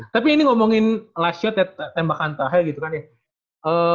tapi ini ngomongin last shot ya tembakan tahel gitu kan ya